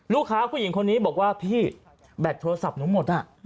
ผู้หญิงคนนี้บอกว่าพี่แบตโทรศัพท์หนูหมด